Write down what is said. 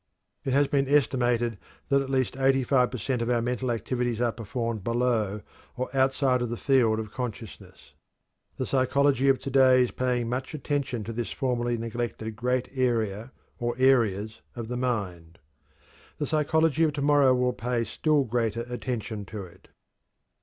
It has been estimated that at least eighty five per cent. of our mental activities are performed below or outside of the field of consciousness. The psychology of to day is paying much attention to this formerly neglected great area or areas of the mind. The psychology of to morrow will pay still greater attention to it.